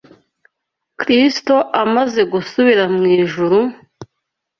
Kristo amaze gusubira mu ijuru